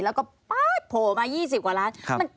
แล้วก็ป๊าดโผล่มา๒๐กว่าล้าน